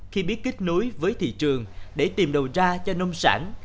khi biết kết nối với thị trường để tìm đầu ra cho nông sản